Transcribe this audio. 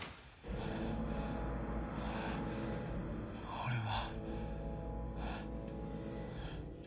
俺は。